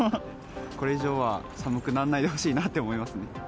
これ以上は寒くなんないでほしいなって思いますね。